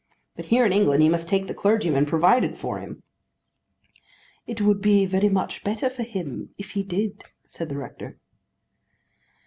But here in England he must take the clergyman provided for him." "It would be very much better for him if he did," said the rector.